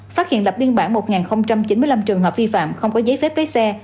phát hiện lập biên bản một chín mươi năm trường hợp vi phạm không có giấy phép lấy xe